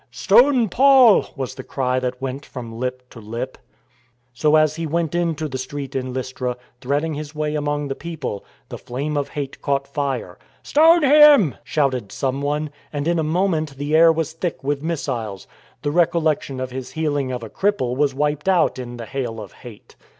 " Stone Paul !" was the cry that went from lip to lip. So as he went into the street in Lystra, threading his way among the people, the flame of hate caught fire. Stone him !" shouted someone, and in a moment the air was thick with missiles. The recollection of his healing of a cripple was wiped out in the hail of hate.